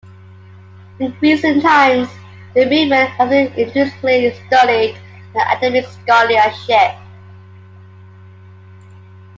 In recent times, the movement has been increasingly studied in academic scholarship.